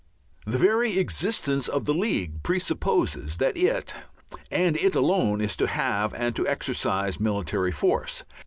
The very existence of the League presupposes that it and it alone is to have and to exercise military force.